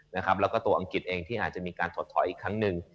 แล้วก็ตัวอังกฤษเองที่อาจจะมีการถดถอยอีกครั้งหนึ่ง